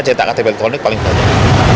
jadi ktp elektronik paling banyak